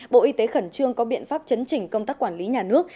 bộ y tế khẩn trương có biện pháp chấn chỉnh công tác quản lý nhà nước